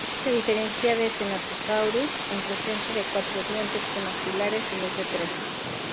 Se diferencia de "Ceratosaurus" en presencia de cuatro dientes premaxilares, en vez de tres.